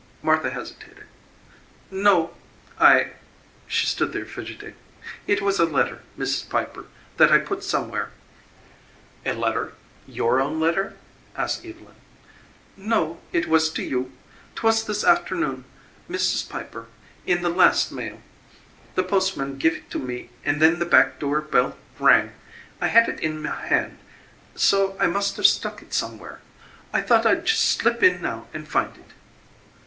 Martha hesitated. "No; I " She stood there fidgeting. "It was a letter, Mrs. Piper, that I put somewhere. "A letter? Your own letter?" asked Evylyn. "No, it was to you. 'Twas this afternoon, Mrs. Piper, in the last mail. The postman give it to me and then the back door bell rang. I had it in my hand, so I must have stuck it somewhere. I thought I'd just slip in now and find it."